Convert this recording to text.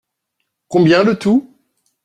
Combien le tout ?